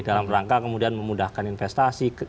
dalam rangka kemudian memudahkan investasi